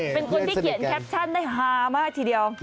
เป็นคนที่เขียนแคปชั่นได้ฮามากทีเดียว